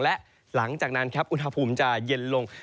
และหลังจากนั้นครับอุณหภูมิจะเย็นลง